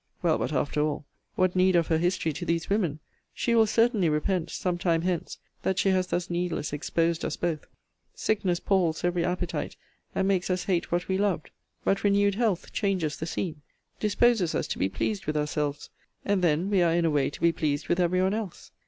Well, but after all, what need of her history to these women? She will certainly repent, some time hence, that she has thus needless exposed us both. Sickness palls every appetite, and makes us hate what we loved: but renewed health changes the scene; disposes us to be pleased with ourselves; and then we are in a way to be pleased with every one else.